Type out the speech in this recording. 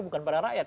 bukan pada rakyat